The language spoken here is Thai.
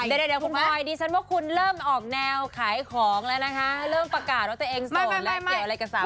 เดี๋ยวคุณพลอยดิฉันว่าคุณเริ่มออกแนวขายของแล้วนะคะเริ่มประกาศว่าตัวเองโสดแล้วเกี่ยวอะไรกับสาว